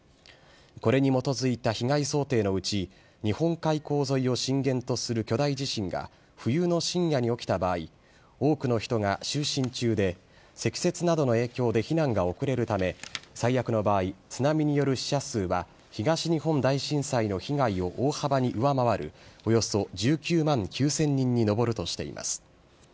これに基づいた被害想定のうち、日本海溝沿いを震源とする巨大地震が、冬の深夜に起きた場合、多くの人が就寝中で、積雪などの影響で避難が遅れるため、最悪の場合、津波による死者数は、東日本大震災を被害を大幅に上回る、およそ１９万９０００人に上るとしています。